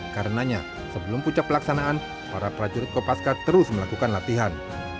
karenanya sebelum puncak pelaksanaan para prajurit kopaska terus melakukan latihan